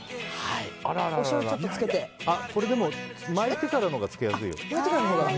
これ、巻いてからのほうがつけやすいよ。